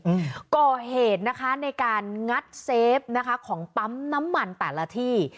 อืมก่อเหตุนะคะในการงัดเซฟนะคะของปั๊มน้ำมันแต่ละที่